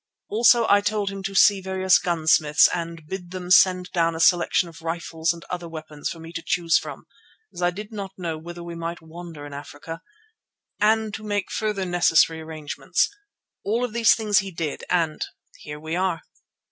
"Also I told him to see various gunsmiths and bid them send down a selection of rifles and other weapons for me to choose from, as I did not know whither we might wander in Africa, and to make further necessary arrangements. All of these things he did, and—here we are."